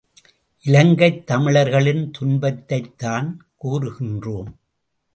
இலங்கைத் தமிழர்களின் துன்பத்தைத்தான் கூறுகின்றோம்.